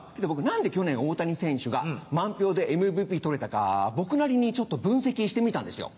何で去年大谷選手が満票でＭＶＰ取れたか僕なりにちょっと分析してみたんですよ。